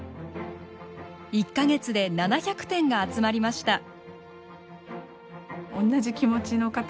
１か月で７００点が集まりました。